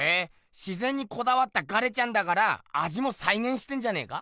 自ぜんにこだわったガレちゃんだからあじもさいげんしてんじゃねえか？